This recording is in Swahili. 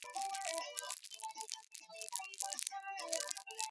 Miye shipendake kuuza kiwanja ku ofisi ya viwanja